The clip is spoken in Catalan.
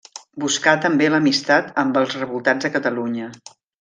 Buscà també l'amistat amb els revoltats a Catalunya.